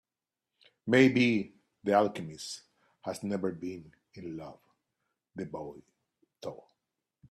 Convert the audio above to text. Maybe the alchemist has never been in love, the boy thought.